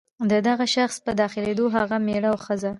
د دغه شخص په داخلېدو هغه مېړه او ښځه.